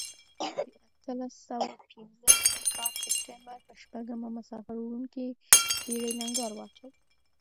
د اتلس سوه پنځه نوي کال سپټمبر په شپږمه مسافر وړونکې بېړۍ لنګر واچاوه.